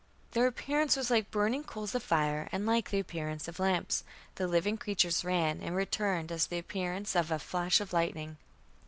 Their appearance was like burning coals of fire and like the appearance of lamps.... The living creatures ran and returned as the appearance of a flash of lightning."